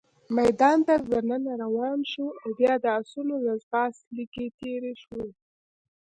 میدان ته دننه روان شوو، او بیا د اسونو له ځغاست لیکې تېر شوو.